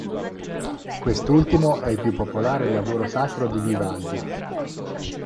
Quest'ultimo è il più popolare lavoro sacro di Vivaldi.